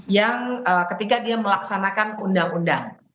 yang ketika dia melaksanakan undang undang